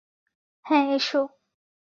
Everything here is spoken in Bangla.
হ্যাঁ, এসো।